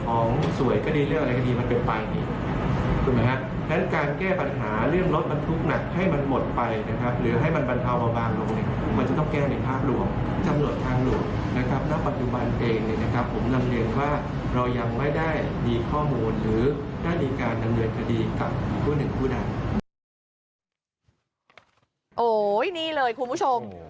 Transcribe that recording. โอ้โหนี่เลยคุณผู้ชม